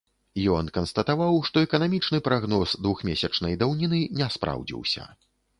Ён канстатаваў, што эканамічны прагноз двухмесячнай даўніны не спраўдзіўся.